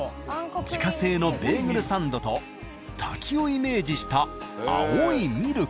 自家製のベーグルサンドと滝をイメージした青いミルク。